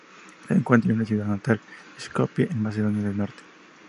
Se encuentra en su ciudad natal, Skopie, en Macedonia del Norte.